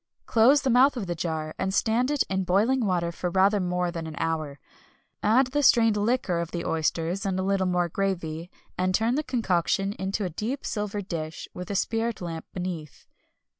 Close the mouth of the jar, and stand it in boiling water for rather more than an hour. Add the strained liquor of the oysters and a little more gravy, and turn the concoction into a deep silver dish with a spirit lamp beneath.